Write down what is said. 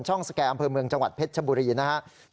สแก่อำเภอเมืองจังหวัดเพชรชบุรีนะครับ